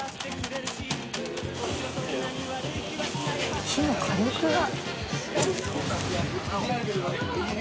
丸山）火の火力が。